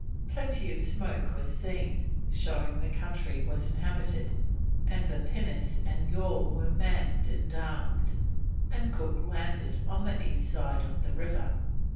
Plenty of smoke was seen, showing the country was inhabited, and the pinnace and yawl were manned and armed, and Cook landed on the east side of the river.